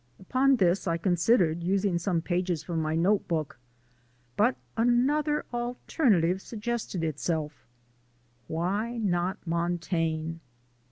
Upon this, I considered using some pages from my notebook, but another alternative suggested itself: "Why not Montaigne?"